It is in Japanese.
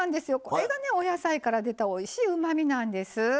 これがねお野菜から出たおいしいうまみなんです。